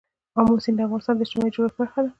آمو سیند د افغانستان د اجتماعي جوړښت برخه ده.